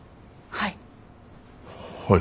はい。